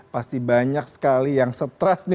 pasti banyak sekali yang stress nih